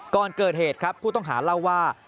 ก่อนเกิดเหตุครับผู้ต้องหาเล่าว่า